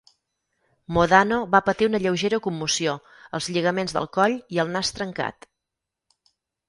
Modano va patir una lleugera commoció, els lligaments del coll i el nas trencat.